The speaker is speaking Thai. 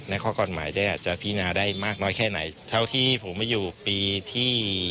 ข้อกฎหมายเนี่ยอาจจะพินาได้มากน้อยแค่ไหนเท่าที่ผมมาอยู่ปีที่